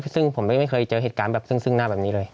ซึ่งผมไม่เคยเจอเหตุการณ์แบบซึ่งหน้าแบบนี้เลย